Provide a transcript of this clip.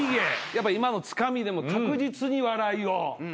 やっぱ今のつかみでも確実に笑いを。